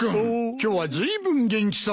今日はずいぶん元気そうだな。